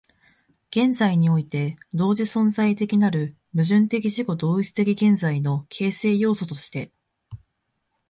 現在において同時存在的なる矛盾的自己同一的現在の形成要素として、